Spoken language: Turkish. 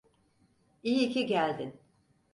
İyi ki geldin.